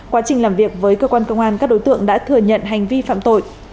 quá trình làm việc với cơ quan công an các đối tượng đã thừa nhận hành vi phạm tội